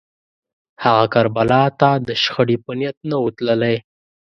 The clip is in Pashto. هغه کربلا ته د شخړې په نیت نه و تللی